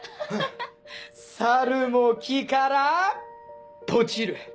猿も木からポチる。